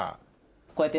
こうやって。